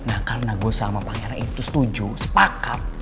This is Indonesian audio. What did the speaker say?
nah karena gue sama pangeran itu setuju sepakat